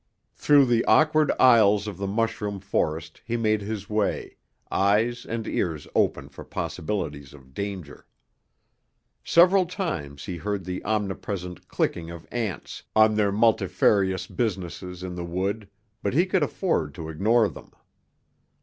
Through the awkward aisles of the mushroom forest he made his way, eyes and ears open for possibilities of danger. Several times he heard the omnipresent clicking of ants on their multifarious businesses in the wood, but he could afford to ignore them.